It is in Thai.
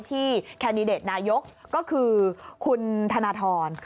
ที่แคโนมัติเนี่ยที่นายกก็คือคุณธนทร